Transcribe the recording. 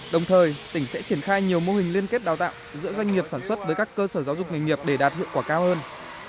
đồng thời tỉnh sẽ triển khai nhiều mô hình liên kết đào tạo giữa doanh nghiệp sản xuất với các cơ sở giáo dục nghề nghiệp để đạt hiệu quả cao hơn